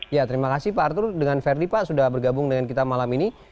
ya terima kasih pak arthur dengan verdi pak sudah bergabung dengan kita malam ini